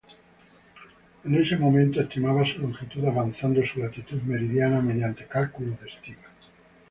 En ese momento estimaba su latitud avanzando su latitud meridiana mediante cálculos de estima.